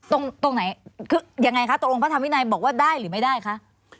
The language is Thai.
ตรงตรงไหนคือยังไงคะตกลงพระธรรมวินัยบอกว่าได้หรือไม่ได้คะ